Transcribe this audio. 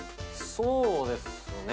そうですね。